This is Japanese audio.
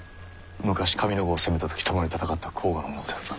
昔上ノ郷を攻めた時共に戦った甲賀の者でござる。